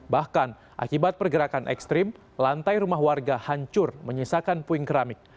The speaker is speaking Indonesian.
bahkan akibat pergerakan ekstrim lantai rumah warga hancur menyisakan puing keramik